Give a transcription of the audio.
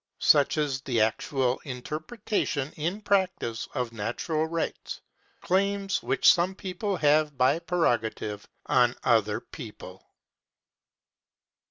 Such is the actual interpretation in practice of natural rights claims which some people have by prerogative on other people.